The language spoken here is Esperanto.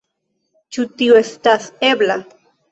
Ĉu tio estas ebla.